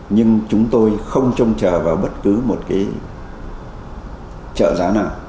nhưng chúng tôi không trông chờ vào bất cứ một cái trợ giá nào